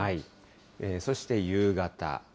そして夕方。